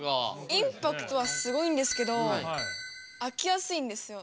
インパクトはすごいんですけど飽きやすいんですよ。